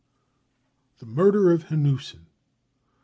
The Murder of Hanussen.